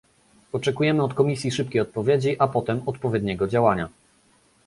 Oczekujemy od Komisji szybkiej odpowiedzi, a potem odpowiedniego działania